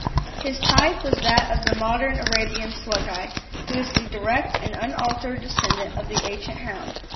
His type was that of the modern Arabian Slughi, who is the direct and unaltered descendant of the ancient hound.